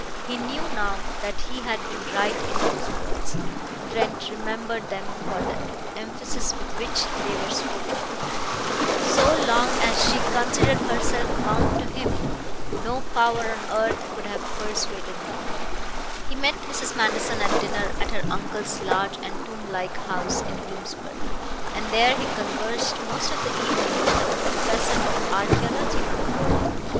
He knew now that he had been right in those words Trent remembered them for the emphasis with which they were spoken "So long as she considered herself bound to him ... no power on earth could have persuaded her." He met Mrs. Manderson at dinner at her uncle's large and tomb like house in Bloomsbury, and there he conversed most of the evening with a professor of archaeology from Berlin.